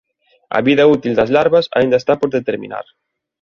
A vida útil das larvas aínda está por determinar.